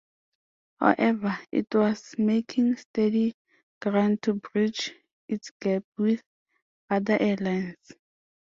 However, it was making steady ground to bridge its gap with other airlines.